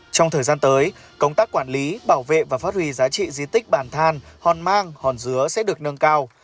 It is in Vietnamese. trong thời gian tới công tác quản lý bảo vệ và phát huy giá trị di tích bàn than hòn mang hòn dứa sẽ được nâng cao